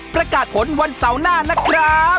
ประกาศผลวันเสาร์หน้านะครับ